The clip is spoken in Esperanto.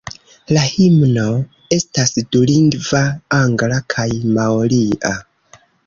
La himno estas dulingva: angla kaj maoria.